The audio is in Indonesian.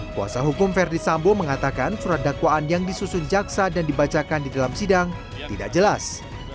kuasa hukum verdi sambo mengatakan surat dakwaan yang disusun jaksa dan dibacakan di dalam sidang tidak jelas